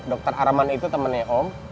dokter arman itu temennya om